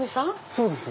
そうです。